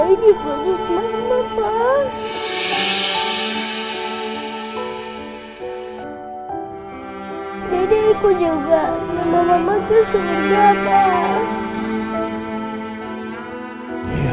sampai jumpa di video selanjutnya